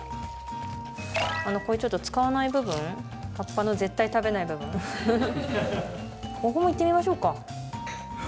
使わない部分、葉っぱの絶対食べない部分、ここもいってみましょうか。